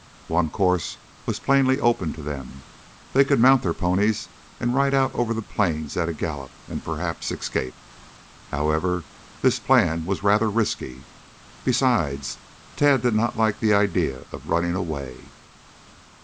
One course was plainly open to them. They could mount their ponies and ride out over the plains at a gallop and perhaps escape. However, this plan was rather risky. Besides, Tad did not like the idea of running away.